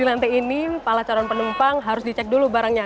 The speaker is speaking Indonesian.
di lantai ini para calon penumpang harus di cek dulu barangnya